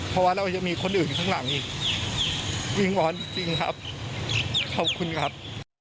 เพราะว่าเรายังมีคนอื่นอยู่ข้างหลังอีกวิงวอนจริงครับขอบคุณครับ